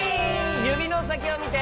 ゆびのさきをみて！